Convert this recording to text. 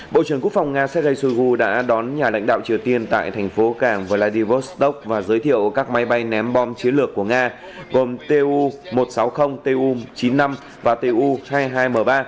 bộ trưởng quốc phòng nga sergei shoigu đã đón nhà lãnh đạo triều tiên tại thành phố cảng vladivostok và giới thiệu các máy bay ném bom chiến lược của nga gồm tu một trăm sáu mươi tu chín mươi năm và tu hai mươi hai m ba